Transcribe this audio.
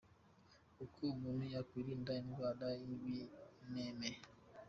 Uko umuntu yakwirinda indwara y’ibimeme :.